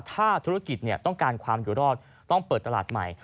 ถ้าธุรกิจต้องการความอยู่รอดต้องเปิดตลาดใหม่